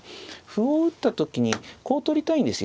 歩を打った時にこう取りたいんですよ。